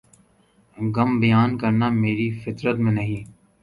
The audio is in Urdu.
غم بیان کرنا میری فطرت میں نہیں